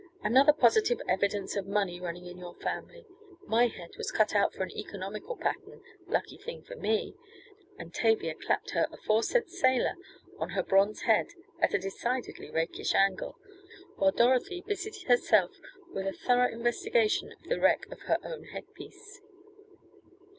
Another positive evidence of money running in your family my head was cut out for an economical pattern lucky thing for me!" and Tavia clapped her aforesaid sailor on her bronze head at a decidedly rakish angle, while Dorothy busied herself with a thorough investigation of the wreck of her own headpiece.